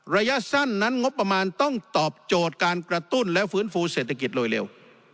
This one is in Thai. ระยะสั้นนั้นงบประมาณต้องตอบโจทย์การกระตุ้นและฟื้นฟูเศรษฐกิจโดยเร็ว